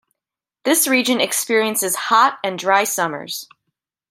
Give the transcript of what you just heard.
This region experiences hot and dry summers.